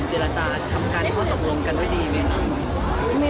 เจรจาทำการทั่วตกลงกันไม่ดีไหมนะ